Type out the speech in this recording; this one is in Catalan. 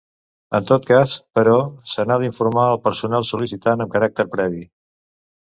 En tot cas, però, se n'ha d'informar la persona sol·licitant amb caràcter previ.